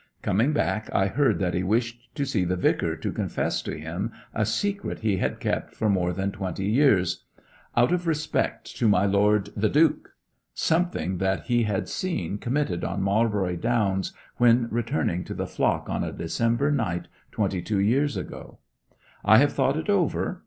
Coming back I heard that he wished to see the Vicar to confess to him a secret he had kept for more than twenty years "out of respect to my Lord the Duke" something that he had seen committed on Marlbury Downs when returning to the flock on a December night twenty two years ago. I have thought it over.